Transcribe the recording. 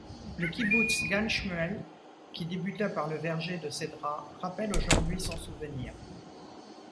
Le kibboutz Gan-Shmuel, qui débuta par le verger de cédrats, rappelle aujourd'hui son souvenir.